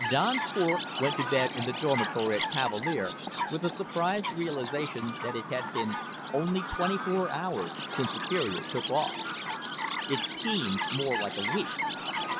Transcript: _Don Cort went to bed in the dormitory at Cavalier with the surprised realization that it had been only twenty four hours since Superior took off. It seemed more like a week.